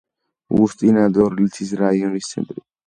უსტი-ნად-ორლიცის რაიონის ცენტრი.